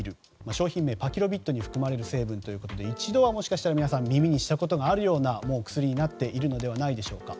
商品名パキロビッドに含まれる成分ということで一度はもしかしたら皆さん耳にしたことがあるような薬になっているのではないでしょうか。